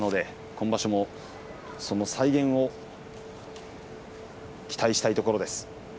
今場所も再現を期待したいところです。